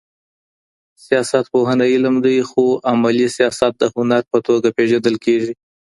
سياستپوهنه علم دی خو عملي سياست د هنر په توګه پېژندل کېږي.